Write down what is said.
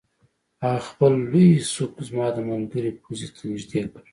هغه خپل لوی سوک زما د ملګري پوزې ته نږدې کړ